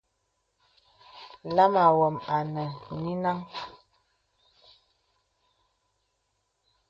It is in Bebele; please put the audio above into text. Lāma wām anə̀ nè nìnəŋ.